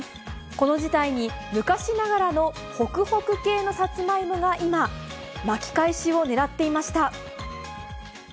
この事態に昔ながらのほくほく系のさつまいもが今、巻き返しをねらっていました。